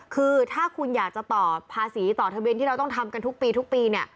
คือถ้าคุณอยากจะต่อภาษีต่อทะเบียนที่เราต้องทำกันทุกปีทุกปีเนี่ย